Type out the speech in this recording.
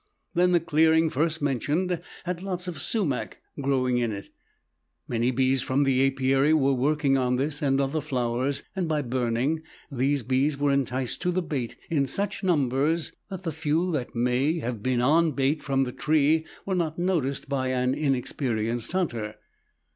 Then the clearing first mentioned had lots of sumac growing in it; many bees from the apiary were working on this and other flowers, and by burning, these bees were enticed to the bait in such numbers that the few that may have been on bait from the tree were not noticed by an inexperienced hunter.